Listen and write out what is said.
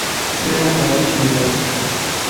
Bɣiɣ ad qqleɣ d taselmadt.